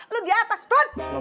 lo di atas turun